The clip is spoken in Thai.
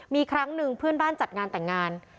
มีครั้งหนึ่งเพื่อนบ้านจัดงานแต่งงาน